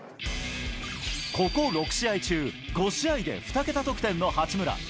ここ６試合中、５試合で２桁得点の八村。